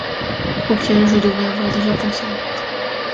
auquel je devrais avoir déjà pensé.